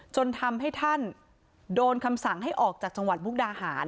จนทำให้ท่านโดนคำสั่งให้ออกจากจังหวัดมุกดาหาร